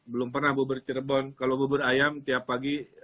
belum pernah bubur cirebon kalau bubur ayam tiap pagi